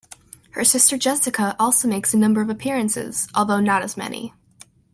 Her sister Jessica also makes a number of appearances, although not as many.